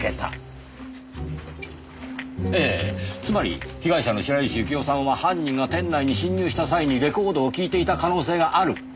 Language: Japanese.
つまり被害者の白石幸生さんは犯人が店内に侵入した際にレコードを聴いていた可能性がある。